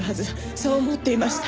そう思っていました。